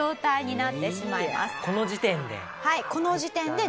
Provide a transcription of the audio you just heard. この時点で？